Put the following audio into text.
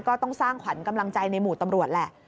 ก็ต้องสร้างขวัญกำลังใจในหมู่ตำรวจแหละ